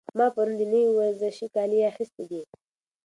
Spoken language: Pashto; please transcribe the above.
ما پرون د نوي ورزشي کالي اخیستي دي.